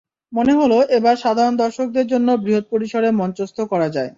মনে হলো, এবার সাধারণ দর্শকদের জন্য বৃহৎ পরিসরে মঞ্চস্থ করা যায়।